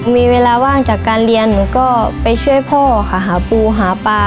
มีเวลาว่างจากการเรียนหนูก็ไปช่วยพ่อค่ะหาปูหาปลา